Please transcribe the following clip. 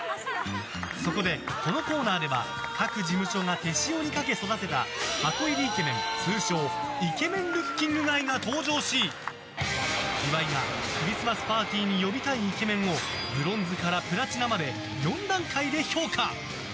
そこで、このコーナーでは各事務所が手塩にかけ育てた箱入りイケメン通称、イケメン・ルッキング・ガイが登場し岩井がクリスマスパーティーに呼びたいイケメンをブロンズからプラチナまで４段階で評価。